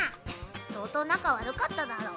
相当仲悪かっただろ？